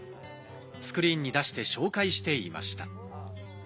スクリーンに出して紹介していました。